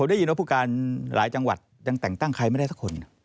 ได้ยินว่าผู้การหลายจังหวัดยังแต่งตั้งใครไม่ได้สักคน